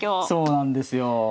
そうなんですよ。